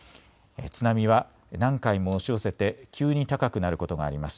津波は何回も押し寄せて急に高くなることがあります。